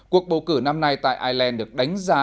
cuộc bầu cử năm nay tại ireland được đánh giá